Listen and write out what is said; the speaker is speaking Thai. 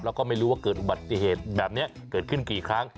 แล้วก็ไม่รู้ว่าเกิดอุบัติเหตุแบบนี้เกิดขึ้นกี่ครั้ง